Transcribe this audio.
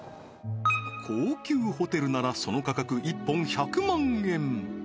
高級ホテルならその価格１本１００万円